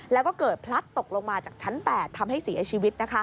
แล้วก็เกิดพลัดตกลงมาจากชั้น๘ทำให้เสียชีวิต